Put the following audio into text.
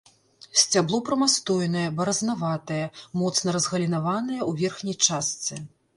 Сцябло прамастойнае, баразнаватае, моцна разгалінаванае ў верхняй частцы.